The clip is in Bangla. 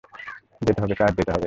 যেতে হবে স্যার, যেতে হবে!